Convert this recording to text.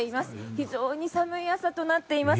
非常に寒い朝となっています